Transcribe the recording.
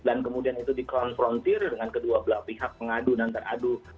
dan kemudian itu dikonfrontir dengan kedua belah pihak pengadu dan teradu